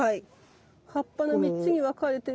葉っぱの３つに分かれてる。